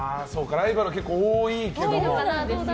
ライバルは結構、多いけども。